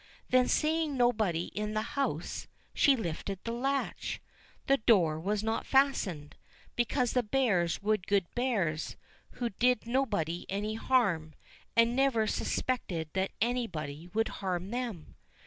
Then seeing nobody in the house she lifted the latch. The door was not fastened, because the Bears were good Bears, who did nobody any harm, and never suspected that anybody would harm them.